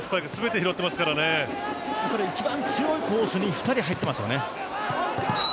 やっぱり一番強いコースに２人入っていますよね。